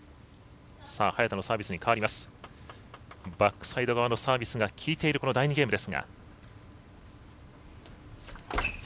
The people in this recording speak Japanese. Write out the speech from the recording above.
バックサイド側のサービスがきいている第２ゲームです。